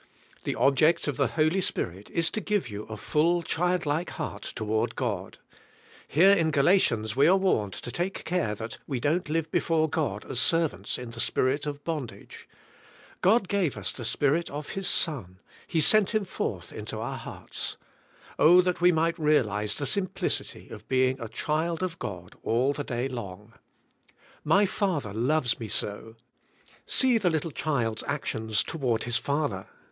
The object of the Holy Spirit is to give you a full child like heart toward God, Here in Gala tians we are warned to take care that we don't live before God as servants in the spirit of bondage. God gave the Spirit of His Son; He sent Him forth into our hearts. Oh that we might realize the 110 THK SPIRITUAI, LIFE. simplicity of being" a child of God all the day long. My father loves me so. See the little child's actions toward his father.